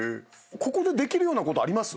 ここでできることあります？